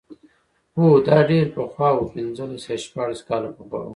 هو دا ډېر پخوا و پنځلس یا شپاړس کاله پخوا و.